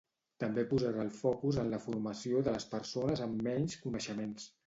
També posarà el focus en la formació de les persones amb menys coneixements.